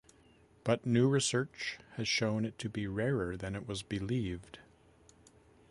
But new research has shown it to be rarer than it was believed.